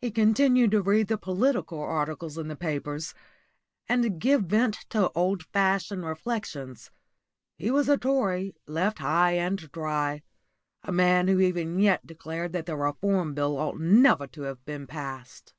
He continued to read the political articles in the papers, and give vent to old fashioned reflections. He was a Tory, left high and dry a man who even yet declared that the Reform Bill ought never to have been passed.